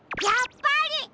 やっぱり！